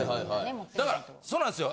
だからそうなんですよ。